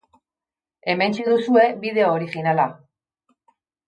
Hementxe duzue bideo originala.